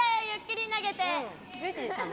ゆっくり投げて。